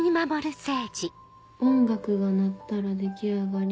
「音楽が鳴ったら出来上がり。